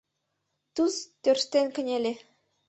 Туз тӧрштен кынеле.